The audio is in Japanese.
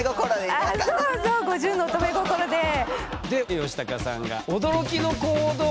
ヨシタカさんが驚きの行動を取ったと。